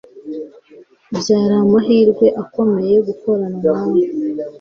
Byari amahirwe akomeye gukorana nawe